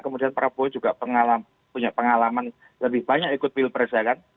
kemudian prabowo juga punya pengalaman lebih banyak ikut pilpres ya kan